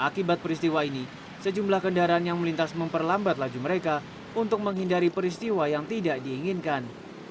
akibat peristiwa ini sejumlah kendaraan yang melintas memperlambat laju mereka untuk menghindari peristiwa yang tidak diinginkan